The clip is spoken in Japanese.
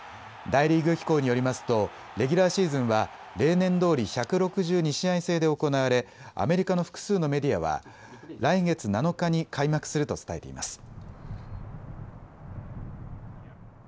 大リーグ機構によりますとレギュラーシーズンは例年どおり１６２試合制で行われアメリカの複数のメディアは来月７日に開幕すると伝えています。